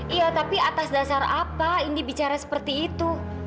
iya tapi atas dasar apa ini bicara seperti itu